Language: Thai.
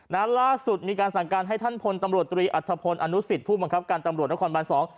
ล่าสุดมีการสั่งการให้ท่านพลตำรวจตรีอัฐพลอนุสิตผู้บังคับการตำรวจนครบานสอง